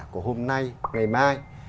của hôm nay ngày mai